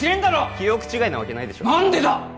記憶違いなわけないでしょ何でだ？